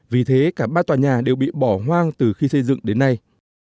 vì thế cả ba tòa nhà đều bị bỏ hoang từ khi xây dựng đến nay